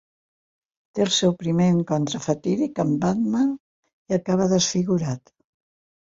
Té el seu primer encontre fatídic amb Batman i acaba desfigurat.